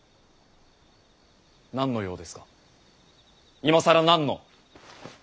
何の用ですか今更何の！